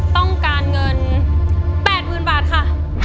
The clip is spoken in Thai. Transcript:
ต้องการเงิน๘๐๐๐บาทค่ะ